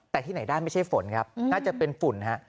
แต่ที่ไหนได้ไม่ใช่ฝนครับน่าจะเป็นฝุ่นฮะ